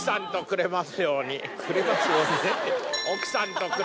「くれますように」？